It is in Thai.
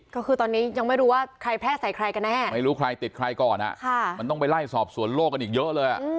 ก็คือตอนนี้ยังไม่รู้ว่าใครแพร่ใส่ใครกันแน่ไม่รู้ใครติดใครก่อนมันต้องไปไล่สอบสวนโลกกันอีกเยอะเลย